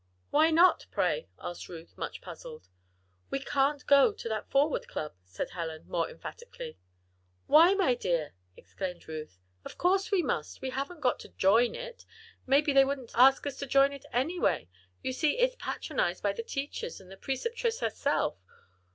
"Why not, pray?" asked Ruth, much puzzled. "We can't go to that Forward Club," said Helen, more emphatically. "Why, my dear!" exclaimed Ruth. "Of course we must. We haven't got to join it. Maybe they wouldn't ask us to join it, anyway. You see, it's patronized by the teachers and the Preceptress herself.